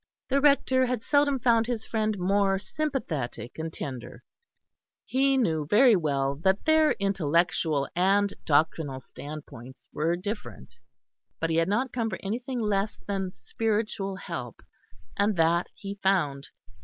The Rector had seldom found his friend more sympathetic and tender; he knew very well that their intellectual and doctrinal standpoints were different, but he had not come for anything less than spiritual help, and that he found.